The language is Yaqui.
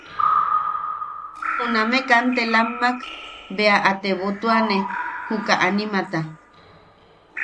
Juname kantelammak bea a tebotuane junaka animata.